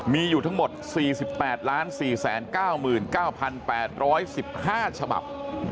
มีอยู่ทั้งหมด๔๘๔๙๙๘๑๕ฉบับ